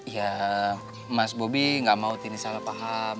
ya mas bobby enggak mau tini salah paham